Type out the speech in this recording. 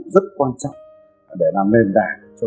rất quan trọng để làm nền đảng